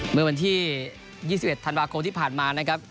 เมื่อวันที่๒๑ธันวาคมที่ผ่านมานะครับ